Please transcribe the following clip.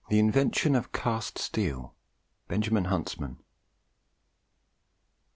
INVENTION OF CAST STEEL BENJAMIN HUNTSMAN.